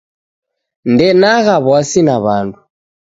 Ndenagha w'asi na w'andu.